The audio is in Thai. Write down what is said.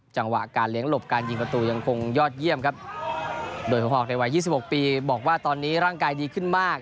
จังหวะการเลี้ยงหลบการยิงประตูยังคงยอดเยี่ยมครับโดยหัวหอกในวัย๒๖ปีบอกว่าตอนนี้ร่างกายดีขึ้นมาก